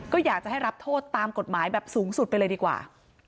ก็อยากจะให้รับโทษตามกฎหมายแบบสูงสุดไปเลยดีกว่า